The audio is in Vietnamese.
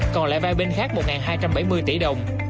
còn lại ba bên khác một hai trăm bảy mươi tỷ đồng